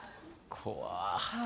怖っ。